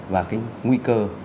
và cái nguy cơ